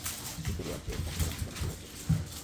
"Imperium" এর সাধারণ অনুবাদ হল "অধিপতিত্ব"।